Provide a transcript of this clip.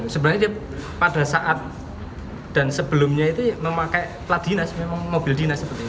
sebenarnya dia pada saat dan sebelumnya itu memakai plat dinas memang mobil dinas seperti itu